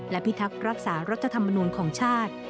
และพิทักษ์รักษารัฐธรรมนูลของชาติ